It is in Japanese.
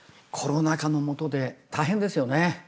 コロナ禍のもとで大変ですよね。